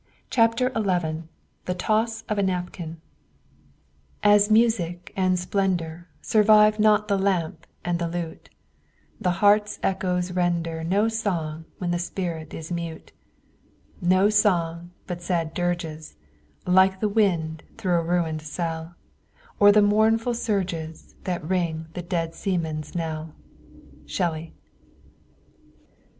CHAPTER XI THE TOSS OF A NAPKIN As music and splendor Survive not the lamp and the lute, The heart's echoes render No song when the spirit is mute No songs but sad dirges, Like the wind through a ruined cell, Or the mournful surges That ring the dead seaman's knell. Shelley.